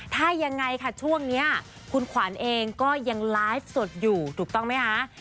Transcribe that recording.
ถ้ายังไงค่ะช่วงนี้คุณขวัญเองก็ยังไลฟ์สดอยู่ถูกต้องไหมคะ